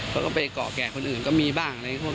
เขาก็ไปเกาะแก่คนอื่นก็มีบ้างอะไรพวก